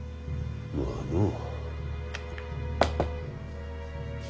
まあのう。